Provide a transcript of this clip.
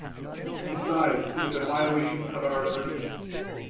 Besides, it is a violation of our agreement.